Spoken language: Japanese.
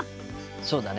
そうだね。